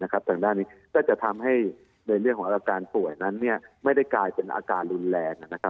ทางด้านนี้ก็จะทำให้ในเรื่องของอาการป่วยนั้นไม่ได้กลายเป็นอาการรุนแรง